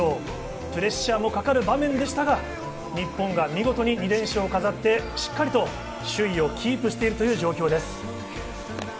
プレッシャーのかかる場面でしたが、日本が見事に２連勝を飾り、首位をキープしている状況です。